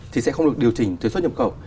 thì sẽ không được điều chỉnh thuế xuất nhập khẩu